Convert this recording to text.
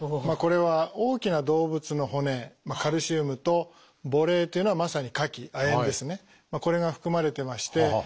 これは大きな動物の骨カルシウムと牡蠣っていうのはまさにかき亜鉛ですねこれが含まれてまして。